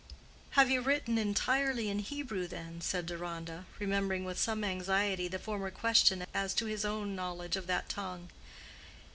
"Have you written entirely in Hebrew, then?" said Deronda, remembering with some anxiety the former question as to his own knowledge of that tongue.